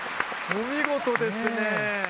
お見事ですね。